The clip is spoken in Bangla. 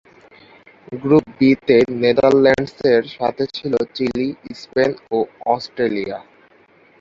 গ্রুপ বি-তে নেদারল্যান্ডসের সাথে ছিল চিলি, স্পেন ও অস্ট্রেলিয়া।